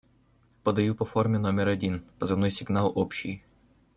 – Подаю по форме номер один позывной сигнал общий.